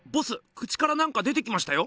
口からなんか出てきましたよ。